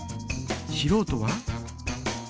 しろうとは？